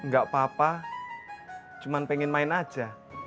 gak apa apa cuma pengen main aja